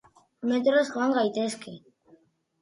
Metroz joan gaitezke.